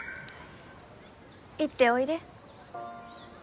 行っておいで。